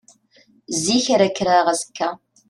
Zik ara kkreɣ azekka.